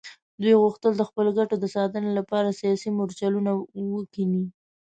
دوی غوښتل د خپلو ګټو د ساتنې لپاره سیاسي مورچلونه وکیني.